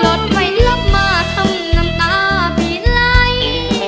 รถไฟล็อปมาทำน้ำตาปีไหล